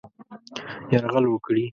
یرغل وکړي.